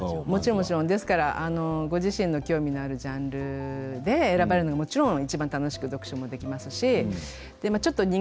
もちろんご自身の興味のあるジャンルで選ばれるのがいちばん楽しく読書ができます。